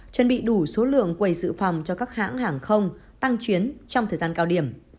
chuẩn bị đủ số lượng quầy dự phòng cho các hãng hàng không tăng chuyến trong thời gian cao điểm